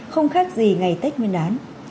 không khác gì ngày tết nguyên đán